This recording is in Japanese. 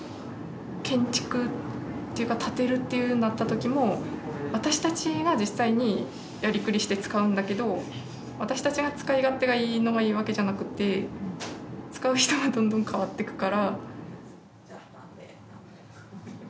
建築っていうか建てるってなったときも私たちが実際にやりくりして使うんだけど私たちが使い勝手がいいのがいいわけじゃなくて使う人がどんどん変わっていくから。